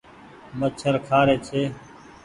مڇر کآ ري ڇي۔